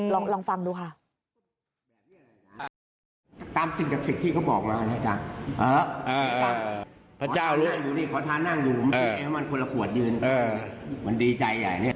ลองฟังดูค่ะ